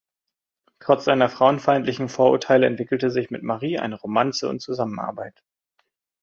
Trotz seiner frauenfeindlichen Vorurteile entwickelte sich mit Marie eine Romanze und Zusammenarbeit.